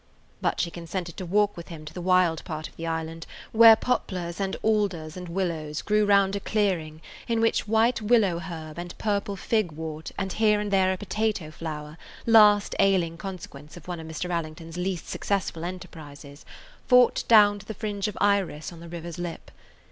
But she consented to walk with him to the wild part of the island, where poplars and alders and willows grew round a clearing in which white willow herb and purple fig wort and here and there a potato flower, last ailing consequence of one of Mr. Allington's least successful enterprises, fought down to the fringe of iris on the river's lip.